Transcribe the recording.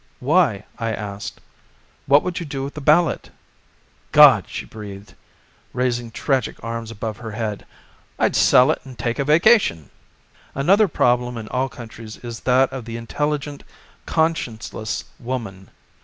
"Why?" I asked. "What would you do with the ballot?" "God!" she breathed, raising tragic 47 a Anti Suffrage arms above her head, "I'd sell it and take a vacation !" Another problem in all countries is that of the intelligent, conscienceless woman.